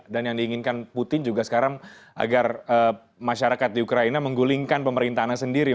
dan yang diinginkan putin juga sekarang agar masyarakat di ukraina menggulingkan pemerintahnya sendiri